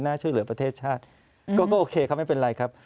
ช่วยเหลือประเทศชาติก็โอเคครับไม่เป็นไรครับ